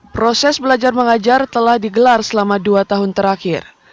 proses belajar mengajar telah digelar selama dua tahun terakhir